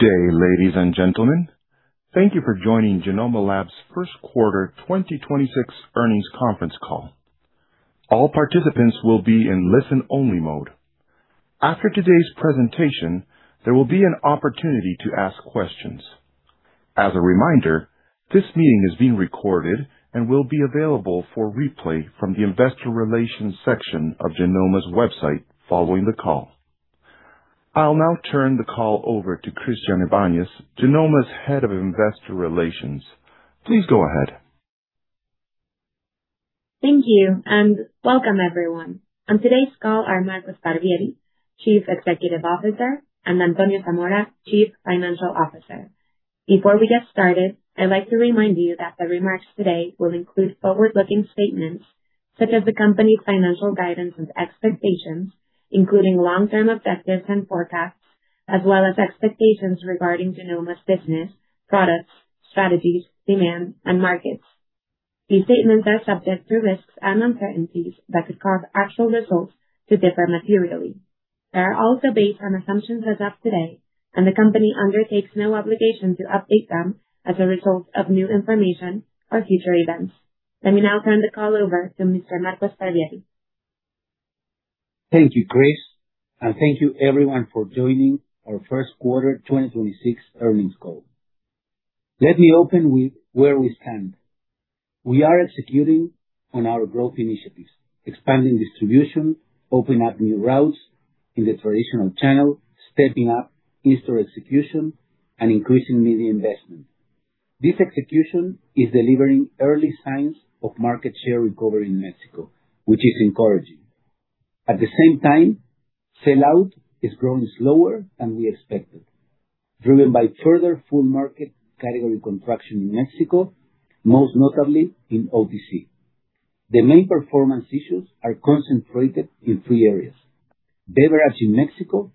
Good day, ladies and gentlemen. Thank you for joining Genomma Lab's first quarter 2026 earnings conference call. All participants will be in listen-only mode. After today's presentation, there will be an opportunity to ask questions. As a reminder, this meeting is being recorded and will be available for replay from the investor relations section of Genomma's website following the call. I'll now turn the call over to Christianne Ibañez, Genomma's Head of Investor Relations. Please go ahead. Thank you, and welcome everyone. On today's call are Marco Sparvieri, Chief Executive Officer, and Antonio Zamora, Chief Financial Officer. Before we get started, I'd like to remind you that the remarks today will include forward-looking statements such as the company's financial guidance and expectations, including long-term objectives and forecasts, as well as expectations regarding Genomma's business, products, strategies, demand, and markets. These statements are subject to risks and uncertainties that could cause actual results to differ materially. They are also based on assumptions as of today, and the company undertakes no obligation to update them as a result of new information or future events. Let me now turn the call over to Mr. Marco Sparvieri. Thank you, Chris, and thank you everyone for joining our first quarter 2026 earnings call. Let me open with where we stand. We are executing on our growth initiatives, expanding distribution, opening up new routes in the traditional channel, stepping up in-store execution, and increasing media investment. This execution is delivering early signs of market share recovery in Mexico, which is encouraging. At the same time, sell-out is growing slower than we expected, driven by further food market category contraction in Mexico, most notably in OTC. The main performance issues are concentrated in three areas, beverages in Mexico,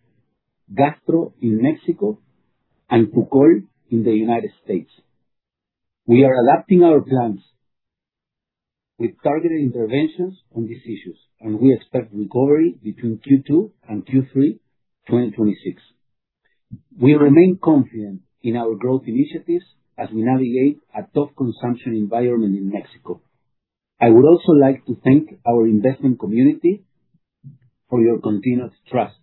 gastro in Mexico, and Tukol in the United States. We are adapting our plans with targeted interventions on these issues, and we expect recovery between Q2 and Q3 2026. We remain confident in our growth initiatives as we navigate a tough consumption environment in Mexico. I would also like to thank our investment community for your continued trust.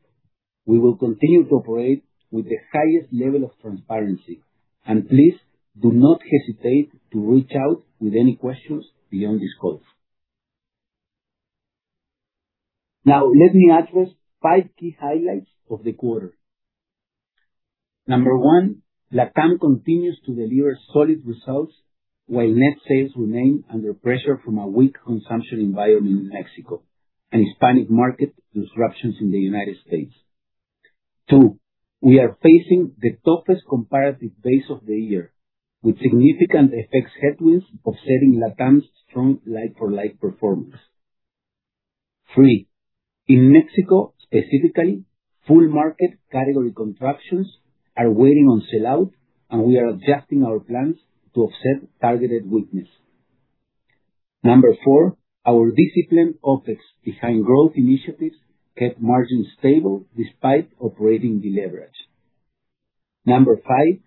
We will continue to operate with the highest level of transparency, and please do not hesitate to reach out with any questions beyond this call. Now, let me address five key highlights of the quarter. Number one, LATAM continues to deliver solid results while net sales remain under pressure from a weak consumption environment in Mexico and Hispanic market disruptions in the United States. Two, we are facing the toughest comparative base of the year, with significant FX headwinds offsetting LATAM's strong like-for-like performance. Three, in Mexico specifically, food market category contractions are weighing on sell-out, and we are adjusting our plans to offset targeted weakness. Number four, our disciplined OpEx behind growth initiatives kept margins stable despite operating deleverage. Number five,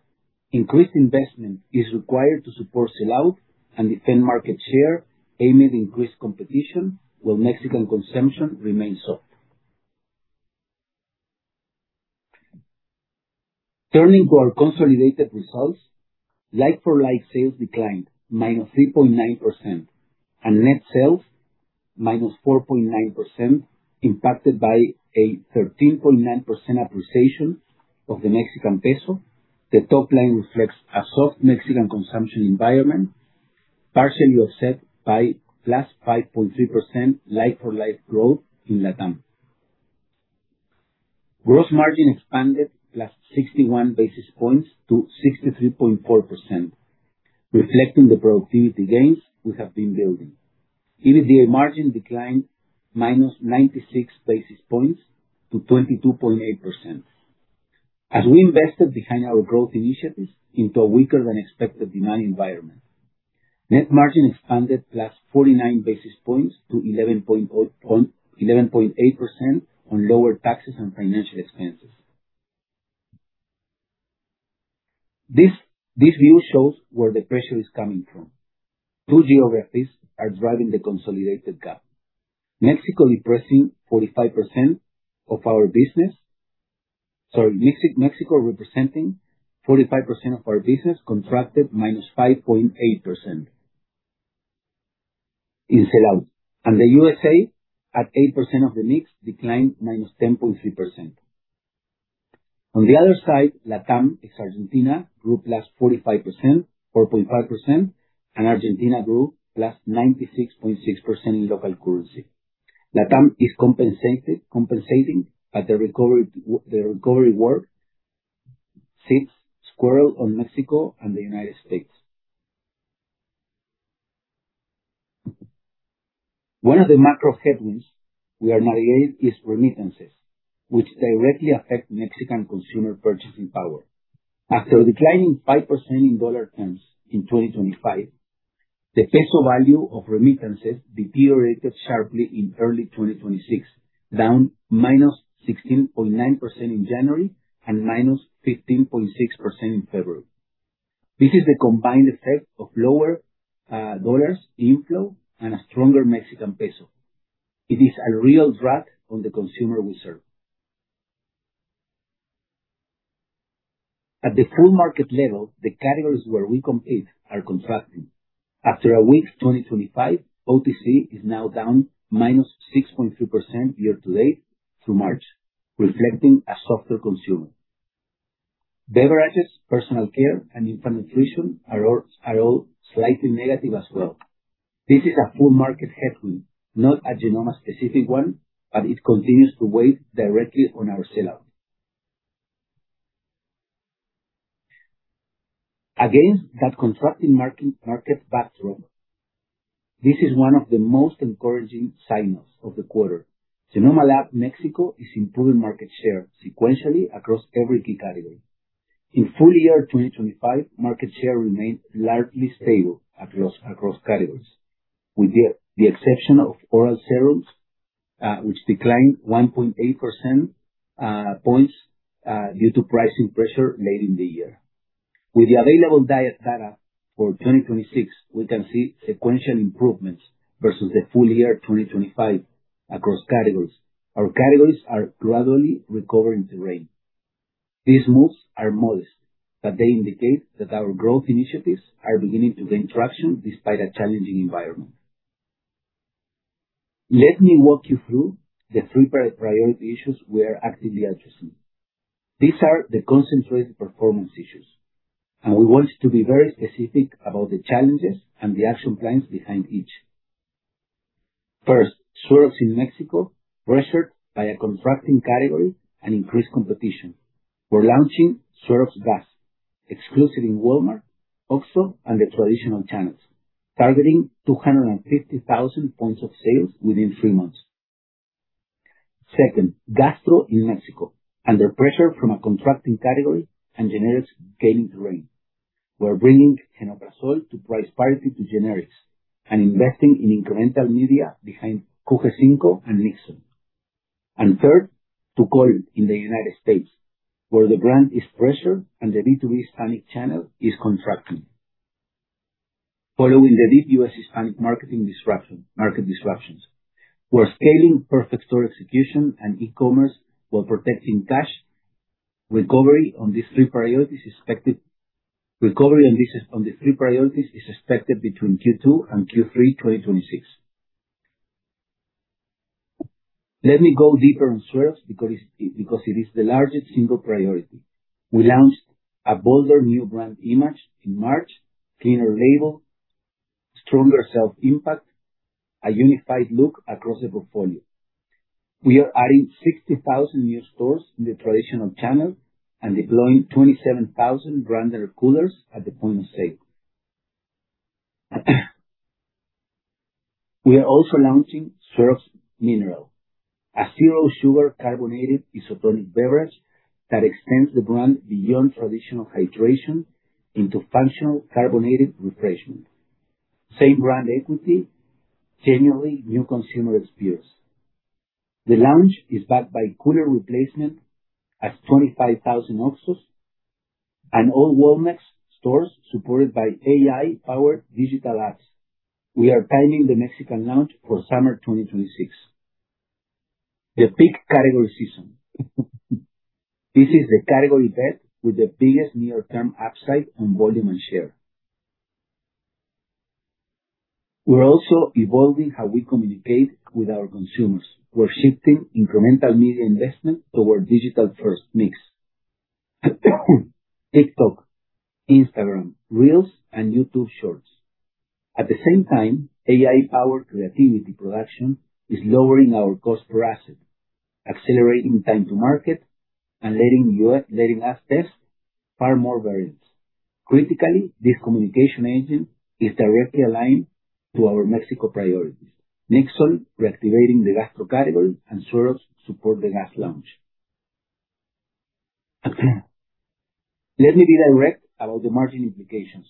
increased investment is required to support sell-out and defend market share amid increased competition while Mexican consumption remains soft. Turning to our consolidated results, like-for-like sales declined -3.9%, and net sales -4.9%, impacted by a 13.9% appreciation of the Mexican peso. The top line reflects a soft Mexican consumption environment, partially offset by +5.3% like-for-like growth in LATAM. Gross margin expanded +61 basis points to 63.4%, reflecting the productivity gains we have been building. EBITDA margin declined -96 basis points to 22.8%, as we invested behind our growth initiatives into a weaker-than-expected demand environment. Net margin expanded +49 basis points to 11.8% on lower taxes and financial expenses. This view shows where the pressure is coming from. Two geographies are driving the consolidated gap. Mexico, representing 45% of our business, contracted -5.8% in sell-out. The USA, at 8% of the mix, declined -10.3%. On the other side, LATAM ex Argentina grew +4.5%, and Argentina grew +96.6% in local currency. LATAM is compensating for the declines in Mexico and the United States. One of the macro headwinds we are navigating is remittances, which directly affect Mexican consumer purchasing power. After declining 5% in dollar terms in 2025, the peso value of remittances deteriorated sharply in early 2026, down -16.9% in January and -15.6% in February. This is the combined effect of lower dollar inflows and a stronger Mexican peso. It is a real drag on the consumer we serve. At the full market level, the categories where we compete are contracting. After a weak 2025, OTC is now down -6.3% year-to-date through March, reflecting a softer consumer. Beverages, personal care, and infant nutrition are all slightly negative as well. This is a full market headwind, not a Genomma specific one, but it continues to weigh directly on our sell-out. Against that contracting market backdrop, this is one of the most encouraging signals of the quarter. Genomma Lab, Mexico is improving market share sequentially across every key category. In full year 2025, market share remained largely stable across categories, with the exception of oral syrups, which declined 1.8 percentage points due to pricing pressure late in the year. With the available Nielsen data for 2026, we can see sequential improvements versus the full year 2025 across categories. Our categories are gradually recovering terrain. These moves are modest, but they indicate that our growth initiatives are beginning to gain traction despite a challenging environment. Let me walk you through the three priority issues we are actively addressing. These are the concentrated performance issues, and we want to be very specific about the challenges and the action plans behind each. First, syrups in Mexico, pressured by a contracting category and increased competition. We're launching Suerox Gas, exclusive in Walmart, OXXO, and the traditional channels, targeting 250,000 points of sales within three months. Second, gastro in Mexico, under pressure from a contracting category and generics gaining terrain. We're bringing Genoprazol to price parity to generics and investing in incremental media behind QG5 and Nikzon. Third, Tukol in the United States, where the brand is pressured and the B2B Hispanic channel is contracting. Following the deep US Hispanic market disruptions, we're scaling perfect store execution and e-commerce while protecting cash. Recovery on these three priorities is expected between Q2 and Q3 2026. Let me go deeper on syrups because it is the largest single priority. We launched a bolder new brand image in March, cleaner label, stronger self-impact, a unified look across the portfolio. We are adding 60,000 new stores in the traditional channel and deploying 27,000 branded coolers at the point of sale. We are also launching Suerox Mineral, a zero-sugar carbonated isotonic beverage that extends the brand beyond traditional hydration into functional carbonated refreshment. Same brand equity, genuinely new consumer experience. The launch is backed by cooler replacement at 25,000 OXXOs and all Walmex stores supported by AI-powered digital ads. We are timing the Mexican launch for summer 2026, the peak category season. This is the category bet with the biggest near-term upside on volume and share. We're also evolving how we communicate with our consumers. We're shifting incremental media investment toward digital first mix. TikTok, Instagram Reels, and YouTube Shorts. At the same time, AI-powered creativity production is lowering our cost per asset, accelerating time to market, and letting us test far more variants. Critically, this communication engine is directly aligned to our Mexico priorities. Nikzon reactivating the gastro category and syrups support the gas launch. Let me be direct about the margin implications.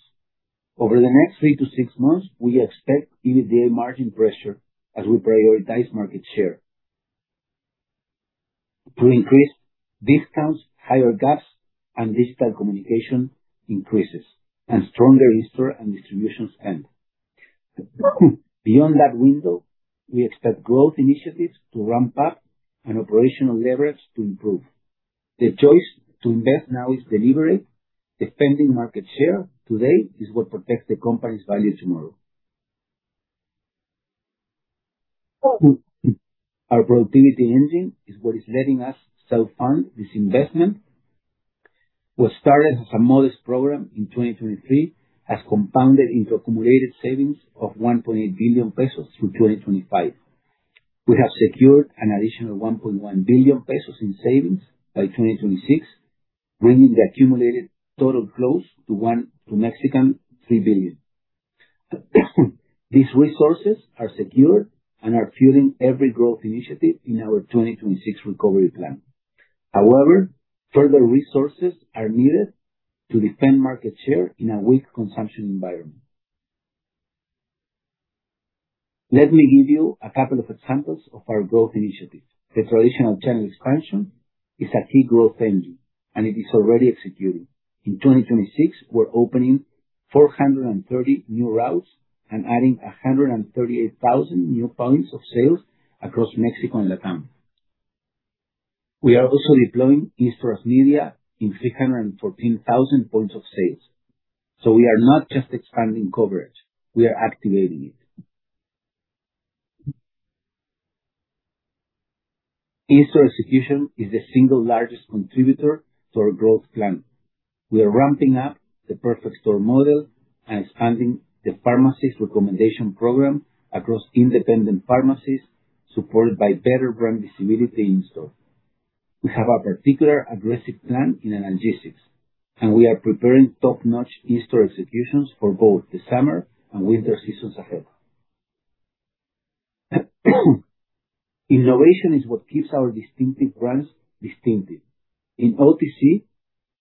Over the next three to six months, we expect EBITDA margin pressure as we prioritize market share to increase discounts, higher gaps, and digital communication increases, and stronger in-store and distribution spend. Beyond that window, we expect growth initiatives to ramp up and operational leverage to improve. The choice to invest now is deliberate. Defending market share today is what protects the company's value tomorrow. Our productivity engine is what is letting us self-fund this investment. What started as a modest program in 2023 has compounded into accumulated savings of 1.8 billion pesos through 2025. We have secured an additional 1.1 billion pesos in savings by 2026, bringing the accumulated total close to 3 billion. These resources are secure and are fueling every growth initiative in our 2026 recovery plan. However, further resources are needed to defend market share in a weak consumption environment. Let me give you a couple of examples of our growth initiatives. The traditional channel expansion is a key growth engine, and it is already executing. In 2026, we're opening 430 new routes and adding 138,000 new points of sales across Mexico and LATAM. We are also deploying in-store media in 314,000 points of sales. We are not just expanding coverage, we are activating it. In-store execution is the single largest contributor to our growth plan. We are ramping up the perfect store model and expanding the pharmacist recommendation program across independent pharmacies, supported by better brand visibility in store. We have a particular aggressive plan in analgesics, and we are preparing top-notch in-store executions for both the summer and winter seasons ahead. Innovation is what keeps our distinctive brands distinctive. In OTC,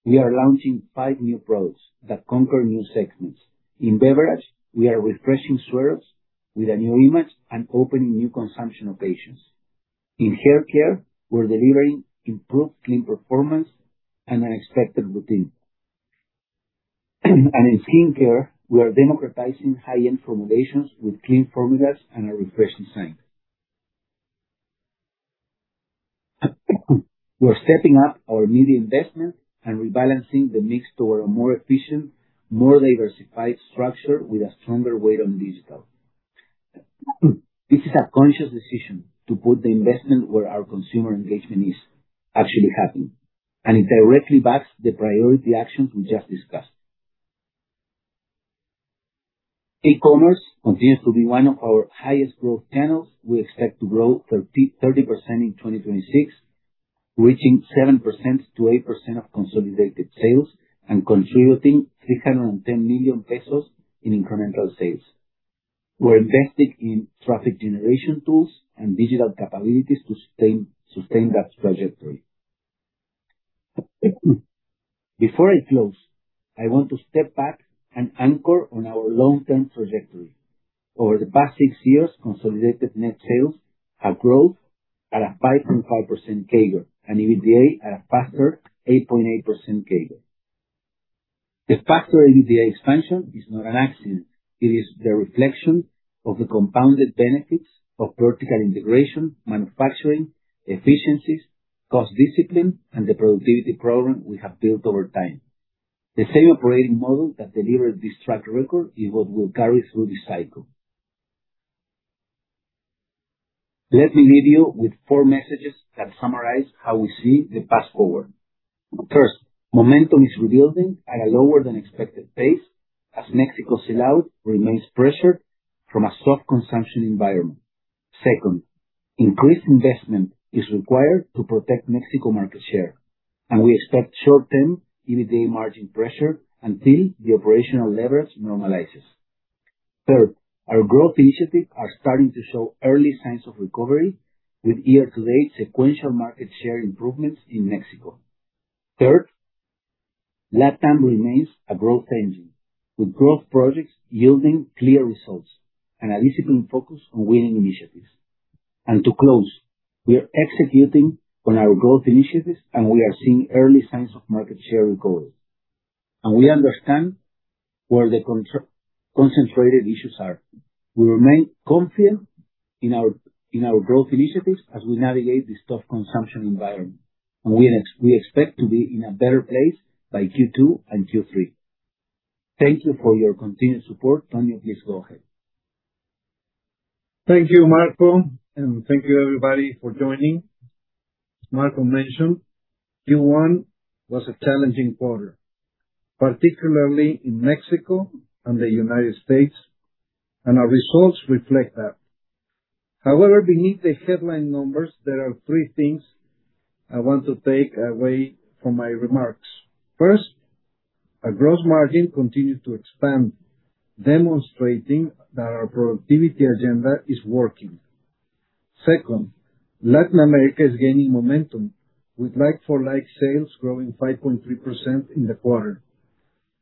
we are launching five new products that conquer new segments. In beverage, we are refreshing syrups with a new image and opening new consumption occasions. In hair care, we're delivering improved clean performance and an expected routine. In skincare, we are democratizing high-end formulations with clean formulas and a refreshing scent. We're stepping up our media investment and rebalancing the mix toward a more efficient, more diversified structure with a stronger weight on digital. This is a conscious decision to put the investment where our consumer engagement is actually happening, and it directly backs the priority actions we just discussed. E-commerce continues to be one of our highest growth channels. We expect to grow 30% in 2026, reaching 7%-8% of consolidated sales and contributing 310 million pesos in incremental sales. We're investing in traffic generation tools and digital capabilities to sustain that trajectory. Before I close, I want to step back and anchor on our long-term trajectory. Over the past six years, consolidated net sales have grown at a 5.5% CAGR, and EBITDA at a faster 8.8% CAGR. The faster EBITDA expansion is not an accident. It is the reflection of the compounded benefits of vertical integration, manufacturing, efficiencies, cost discipline, and the productivity program we have built over time. The same operating model that delivered this track record is what we'll carry through this cycle. Let me leave you with four messages that summarize how we see the path forward. First, momentum is rebuilding at a lower than expected pace as Mexico clout remains pressured from a soft consumption environment. Second, increased investment is required to protect Mexico market share, and we expect short-term EBITDA margin pressure until the operational leverage normalizes. Third, our growth initiatives are starting to show early signs of recovery with year-to-date sequential market share improvements in Mexico. Third, LATAM remains a growth engine, with growth projects yielding clear results and a disciplined focus on winning initiatives. To close, we are executing on our growth initiatives and we are seeing early signs of market share recovery. We understand where the concentrated issues are. We remain confident in our growth initiatives as we navigate this tough consumption environment, and we expect to be in a better place by Q2 and Q3. Thank you for your continued support. Tony, please go ahead. Thank you, Marco, and thank you everybody for joining. As Marco mentioned, Q1 was a challenging quarter, particularly in Mexico and the United States, and our results reflect that. However, beneath the headline numbers, there are three things I want to take away from my remarks. First, our gross margin continued to expand, demonstrating that our productivity agenda is working. Second, Latin America is gaining momentum with like-for-like sales growing 5.3% in the quarter,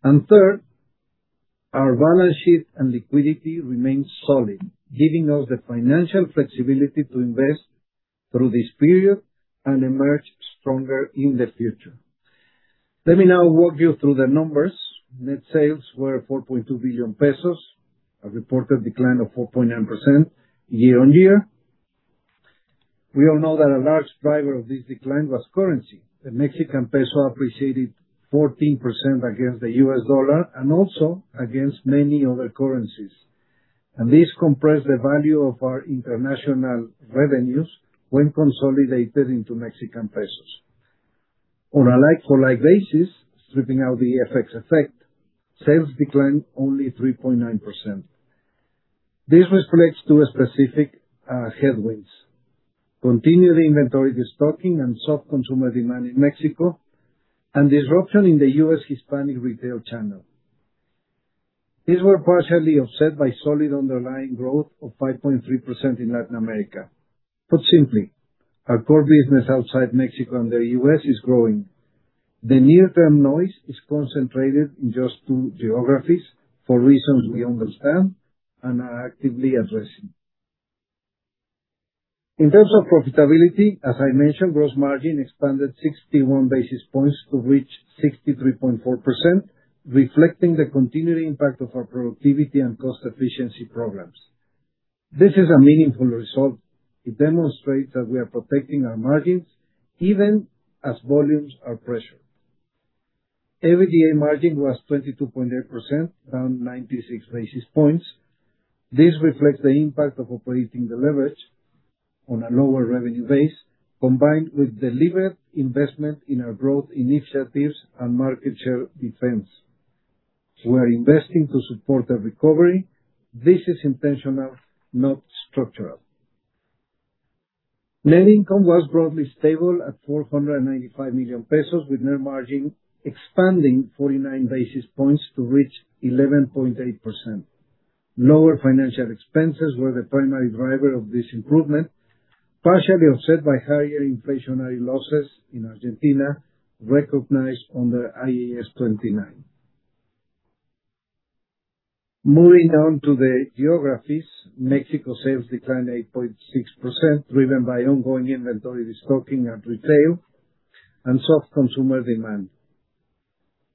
and third, our balance sheet and liquidity remains solid, giving us the financial flexibility to invest through this period and emerge stronger in the future. Let me now walk you through the numbers. Net sales were 4.2 billion pesos, a reported decline of 4.9% year-over-year. We all know that a large driver of this decline was currency. The Mexican peso appreciated 14% against the US dollar and also against many other currencies. This compressed the value of our international revenues when consolidated into Mexican pesos. On a like-for-like basis, stripping out the FX effect, sales declined only 3.9%. This reflects two specific headwinds, continued inventory restocking and soft consumer demand in Mexico, and disruption in the US Hispanic retail channel. These were partially offset by solid underlying growth of 5.3% in Latin America. Put simply, our core business outside Mexico and the US is growing. The near term noise is concentrated in just two geographies for reasons we understand and are actively addressing. In terms of profitability, as I mentioned, gross margin expanded 61 basis points to reach 63.4%, reflecting the continuing impact of our productivity and cost efficiency programs. This is a meaningful result. It demonstrates that we are protecting our margins even as volumes are pressured. EBITDA margin was 22.8%, down 96 basis points. This reflects the impact of operating the leverage on a lower revenue base, combined with deliberate investment in our growth initiatives and market share defense. We're investing to support the recovery. This is intentional, not structural. Net income was broadly stable at 495 million pesos, with net margin expanding 49 basis points to reach 11.8%. Lower financial expenses were the primary driver of this improvement, partially offset by higher inflationary losses in Argentina, recognized under IAS 29. Moving on to the geographies, Mexico sales declined 8.6%, driven by ongoing inventory restocking at retail and soft consumer demand.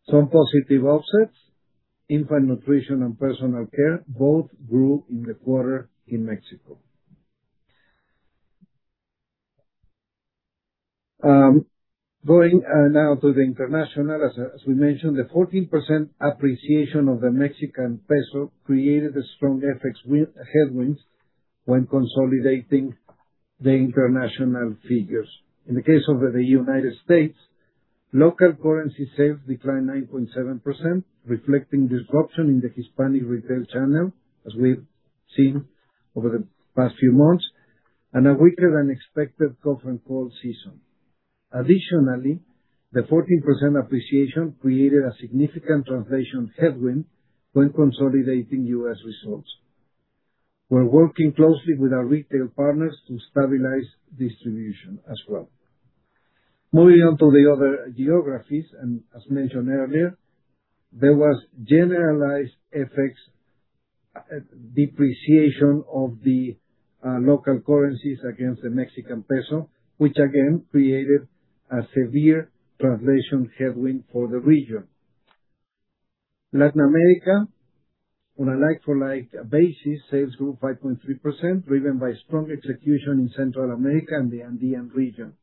Some positive offsets, infant nutrition and personal care both grew in the quarter in Mexico. Going now to the international, as we mentioned, the 14% appreciation of the Mexican peso created a strong FX headwinds when consolidating the international figures. In the case of the United States, local currency sales declined 9.7%, reflecting disruption in the Hispanic retail channel, as we've seen over the past few months, and a weaker than expected flu season. Additionally, the 14% appreciation created a significant translation headwind when consolidating US results. We're working closely with our retail partners to stabilize distribution as well. Moving on to the other geographies, and as mentioned earlier, there was generalized FX depreciation of the local currencies against the Mexican peso, which again created a severe translation headwind for the region. Latin America, on a like-for-like basis, sales grew 5.3%, driven by strong execution in Central America and the Andean region.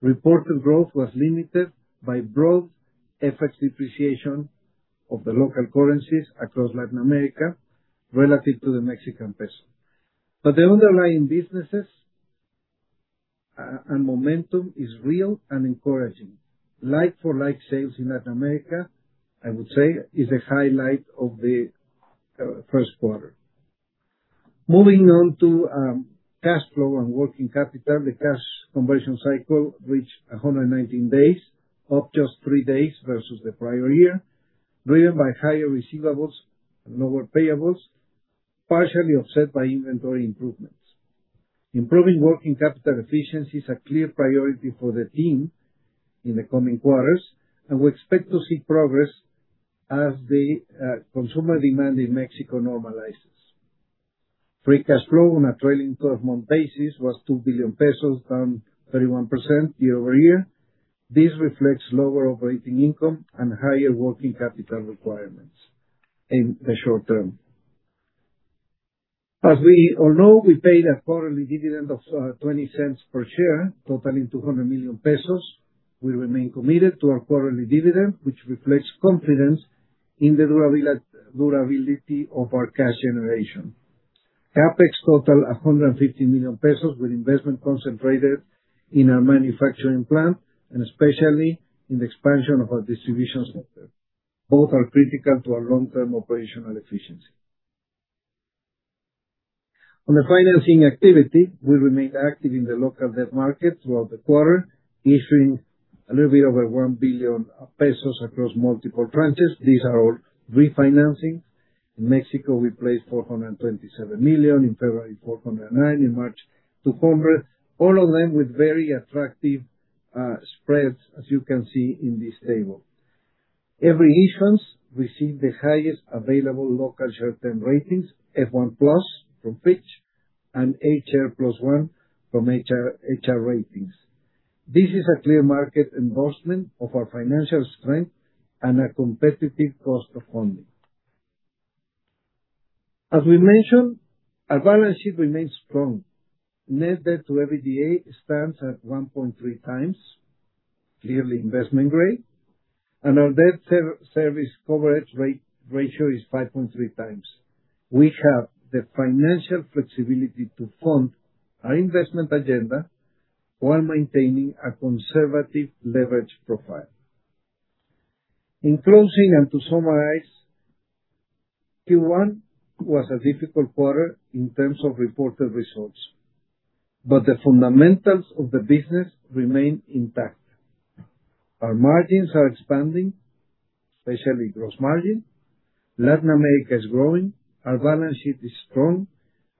Reported growth was limited by broad FX depreciation of the local currencies across Latin America relative to the Mexican peso. The underlying businesses and momentum is real and encouraging. Like-for-like sales in Latin America, I would say, is a highlight of the first quarter. Moving on to cash flow and working capital. The cash conversion cycle reached 119 days, up just three days versus the prior year, driven by higher receivables and lower payables, partially offset by inventory improvements. Improving working capital efficiency is a clear priority for the team in the coming quarters, and we expect to see progress as the consumer demand in Mexico normalizes. Free cash flow on a trailing 12-month basis was 2 billion pesos, down 31% year-over-year. This reflects lower operating income and higher working capital requirements in the short term. As we all know, we paid a quarterly dividend of 0.20 per share, totaling 200 million pesos. We remain committed to our quarterly dividend, which reflects confidence in the durability of our cash generation. CapEx total of 150 million pesos, with investment concentrated in our manufacturing plant and especially in the expansion of our distribution center. Both are critical to our long-term operational efficiency. On the financing activity, we remained active in the local debt market throughout the quarter, issuing a little bit over 1 billion pesos across multiple tranches. These are all refinancing. In Mexico, we placed 427 million. In February, 409 million. In March, 200 million. All of them with very attractive spreads, as you can see in this table. Every issuance received the highest available local short-term ratings, F1+ from Fitch and HR+1 from HR Ratings. This is a clear market endorsement of our financial strength and a competitive cost of funding. As we mentioned, our balance sheet remains strong. Net debt to EBITDA stands at 1.3x, clearly investment grade, and our debt service coverage ratio is 5.3x. We have the financial flexibility to fund our investment agenda while maintaining a conservative leverage profile. In closing and to summarize, Q1 was a difficult quarter in terms of reported results, but the fundamentals of the business remain intact. Our margins are expanding, especially gross margin. Latin America is growing, our balance sheet is strong,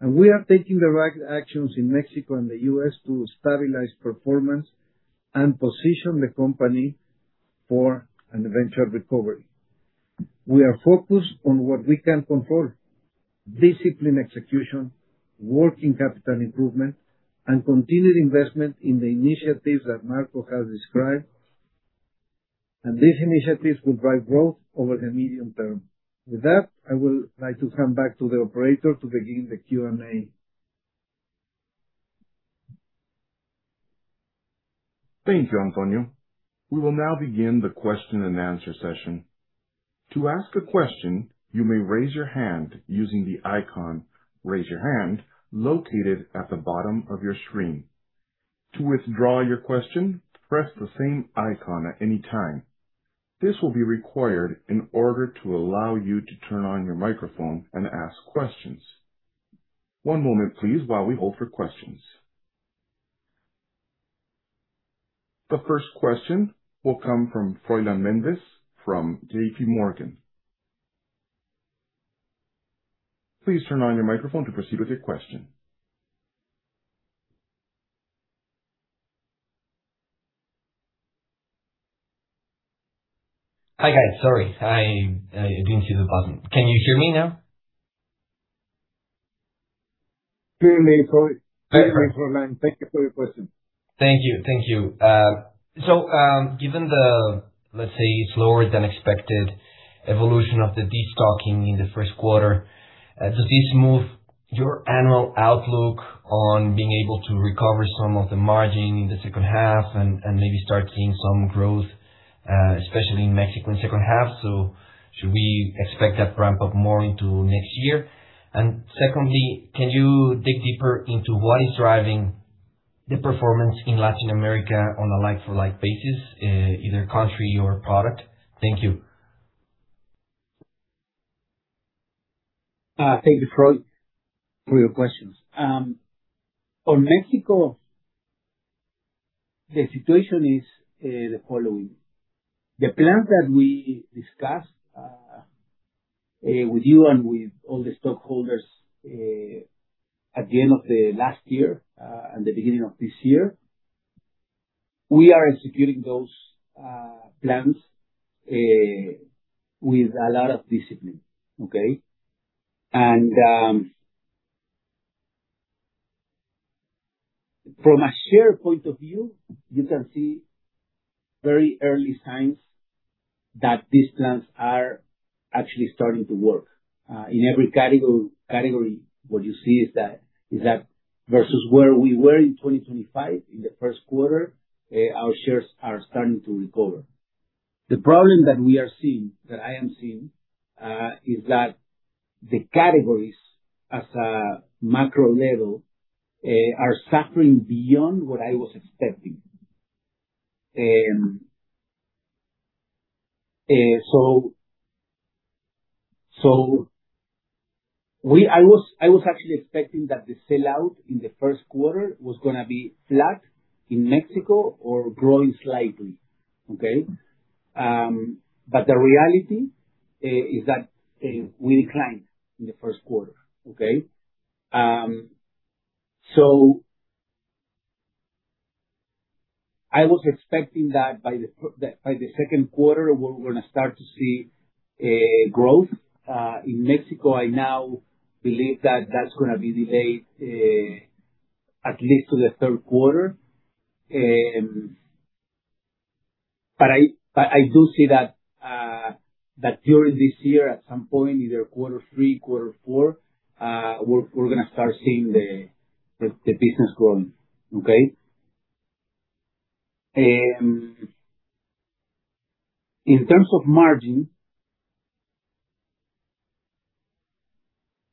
and we are taking the right actions in Mexico and the US to stabilize performance and position the company for an eventual recovery. We are focused on what we can control, discipline execution, working capital improvement, and continued investment in the initiatives that Marco has described. These initiatives will drive growth over the medium term. With that, I will like to come back to the operator to begin the Q&A. Thank you, Antonio. We will now begin the question and answer session. To ask a question, you may raise your hand using the icon, Raise Your Hand, located at the bottom of your screen. To withdraw your question, press the same icon at any time. This will be required in order to allow you to turn on your microphone and ask questions. One moment please, while we hold for questions. The first question will come from Froylan Mendez, from J.P. Morgan. Please turn on your microphone to proceed with your question. Hi, guys. Sorry. I didn't see the button. Can you hear me now? Hear me, Froylan. Thank you for your question. Thank you. Given the, let's say, slower than expected evolution of the destocking in the first quarter, does this move your annual outlook on being able to recover some of the margin in the second half and maybe start seeing some growth, especially in Mexico in the second half? Should we expect that ramp up more into next year? Secondly, can you dig deeper into what is driving the performance in Latin America on a like-for-like basis, either country or product? Thank you. Thank you, Froylan, for your questions. On Mexico, the situation is the following. The plans that we discussed, with you and with all the stockholders, at the end of the last year, and the beginning of this year, we are executing those plans with a lot of discipline. Okay? From a share point of view, you can see very early signs that these plans are actually starting to work. In every category, what you see is that versus where we were in 2025 in the first quarter, our shares are starting to recover. The problem that we are seeing, that I am seeing, is that the categories at a macro level are suffering beyond what I was expecting. I was actually expecting that the sell-out in the first quarter was going to be flat in Mexico or growing slightly. Okay? The reality is that we declined in the first quarter. Okay? I was expecting that by the second quarter, we're going to start to see growth in Mexico. I now believe that that's going to be delayed, at least to the third quarter. I do see that during this year, at some point, either quarter three, quarter four, we're going to start seeing the business growing. Okay? In terms of margin,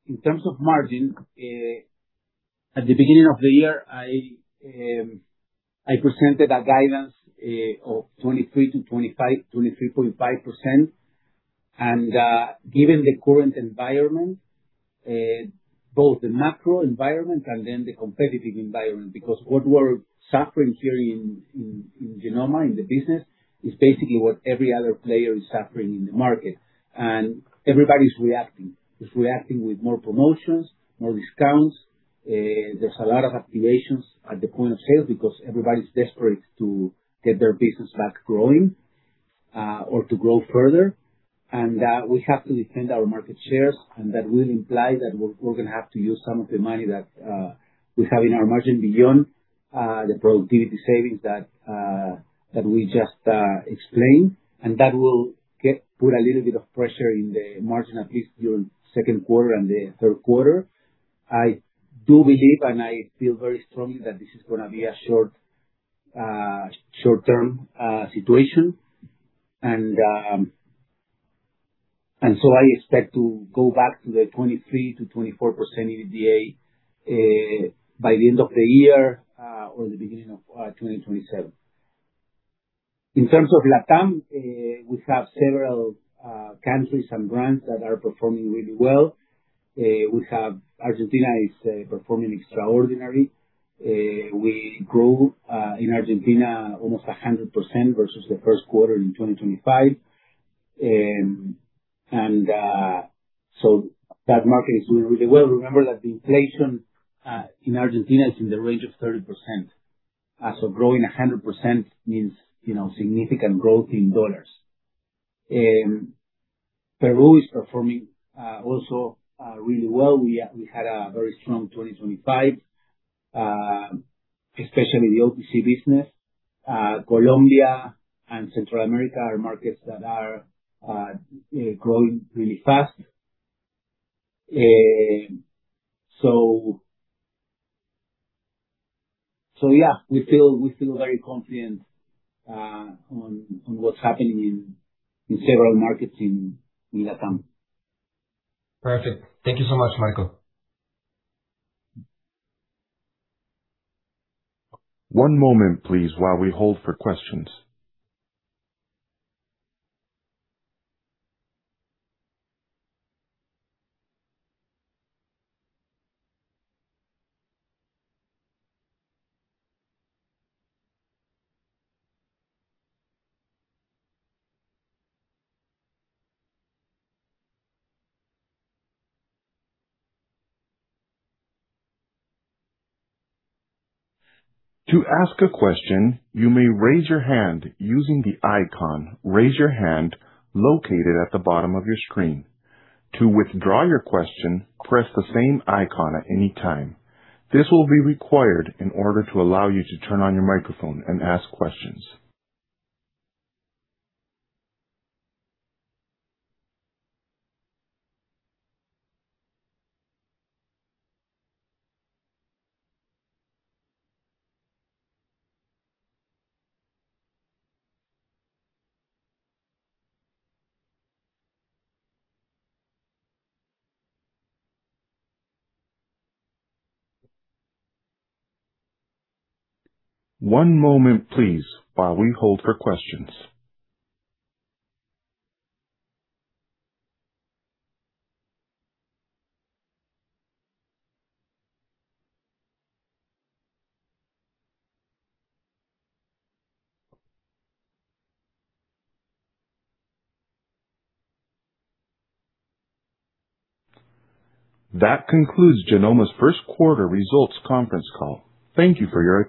at the beginning of the year, I presented a guidance of 23%-23.5%. Given the current environment, both the macro environment and then the competitive environment, because what we're suffering here in Genomma, in the business, is basically what every other player is suffering in the market. Everybody's reacting. It's reacting with more promotions, more discounts. There's a lot of activations at the point of sale because everybody's desperate to get their business back growing, or to grow further. We have to defend our market shares, and that will imply that we're going to have to use some of the money that we have in our margin beyond the productivity savings that we just explained. That will put a little bit of pressure in the margin, at least during second quarter and the third quarter. I do believe, and I feel very strongly, that this is going to be a short-term situation. I expect to go back to the 23%-24% EBITDA, by the end of the year, or the beginning of 2027. In terms of LATAM, we have several countries and brands that are performing really well. We have Argentina is performing extraordinary. We grew in Argentina almost 100% versus the first quarter in 2025. That market is doing really well. Remember that the inflation in Argentina is in the range of 30%. Growing 100% means significant growth in dollars. Peru is performing also really well. We had a very strong 2025, especially the OTC business. Colombia and Central America are markets that are growing really fast. Yeah. We feel very confident on what's happening in several markets in LATAM. Perfect. Thank you so much, Marco. One moment please while we hold for questions. To ask a question you may raise your hand using the icon, Raise Your Hand located at the bottom of your screen. To withdraw your question, press the same icon at any time. This will be required in order to turn on your microphone and ask questions. One moment please while we hold for questions. That concludes Genomma's first quarter results conference call. Thank you for your participation.